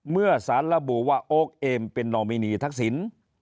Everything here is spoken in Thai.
เมื่อสารระบุว่าโอ๊คเอมเป็นนอมินีทักษิณ